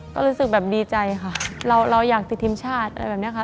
ก็รู้สึกแบบดีใจค่ะเราอยากติดทีมชาติอะไรแบบนี้ค่ะ